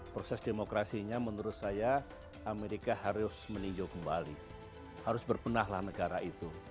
proses demokrasinya menurut saya amerika harus meninjau kembali harus berpenahlah negara itu